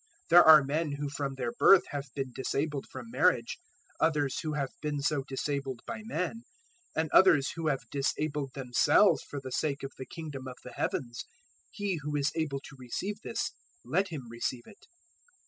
019:012 There are men who from their birth have been disabled from marriage, others who have been so disabled by men, and others who have disabled themselves for the sake of the Kingdom of the Heavens. He who is able to receive this, let him receive it."